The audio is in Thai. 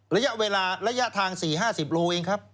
ระยะเวลาระยะทาง๔๕๐โลเองครับ